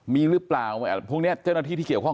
มีหรือเปล่าพวกนี้เจ้าหน้าที่ที่เกี่ยวข้อง